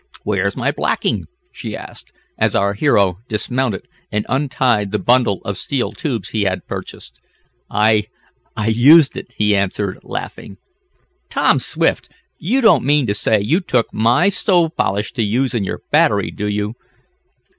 "Where's my blacking?" she asked, as our hero dismounted and untied the bundle of steel tubes he had purchased. "I I used it," he answered, laughing. "Tom Swift! You don't mean to say you took my stove polish to use in your battery, do you?"